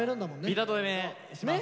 ビタ止めします。